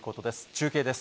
中継です。